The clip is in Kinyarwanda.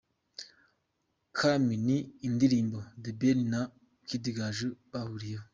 Kami ni indirimbo The Ben na Kid Gaju bahuriyeho.